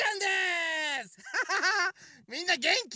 みんなげんき？